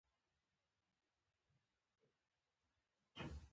آنلاین میټینګونه لرئ؟